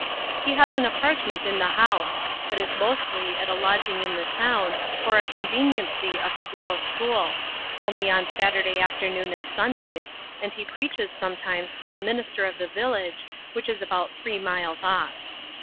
He has an apartment in the house; but is mostly at a lodging in the town, for a conveniency of his little school; only on Saturday afternoon and Sundays: and he preaches sometimes for the minister of the village, which is about three miles off.